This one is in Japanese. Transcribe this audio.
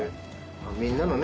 みんなのね